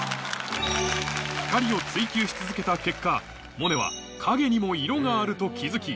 光を追求し続けた結果モネは影にも色があると気付き